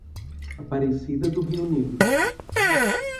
Aparecida do Rio Negro